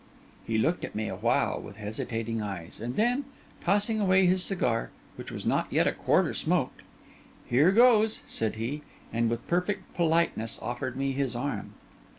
He looked at me awhile with hesitating eyes; and then, tossing away his cigar, which was not yet a quarter smoked, 'Here goes!' said he, and with perfect politeness offered me his arm.